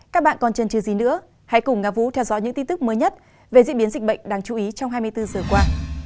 các bạn còn chân trừ gì nữa hãy cùng nga vũ theo dõi những tin tức mới nhất về diễn biến dịch bệnh đáng chú ý trong hai mươi bốn giờ qua